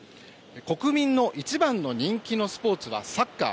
国民の一番の人気のスポーツはサッカー。